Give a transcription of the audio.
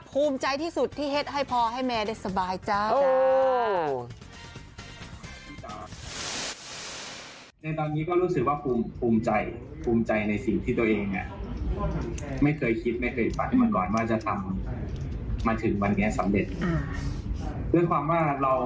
ภูมิใจที่สุดที่เฮ็ดให้พ่อให้แม่ได้สบายจ้า